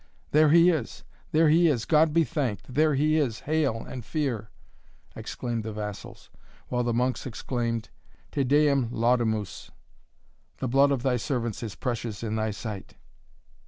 "There he is! there he is! God be thanked there he is, hale and fear!" exclaimed the vassals; while the monks exclaimed, "Te Deum laudamus the blood of thy servants is precious in thy sight!"